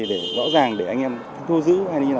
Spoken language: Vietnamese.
để rõ ràng để anh em thu giữ